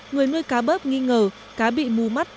người nuôi cá bớp nghi ngờ cá bị mù mắt